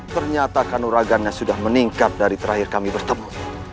ternyata kanuragannya sudah meningkat dari terakhir kami bertemu